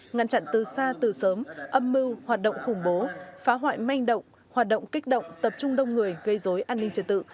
ngăn chặn từ xa từ sớm âm mưu hoạt động khủng bố phá hoại manh động hoạt động kích động tập trung đông người gây dối an ninh trật tự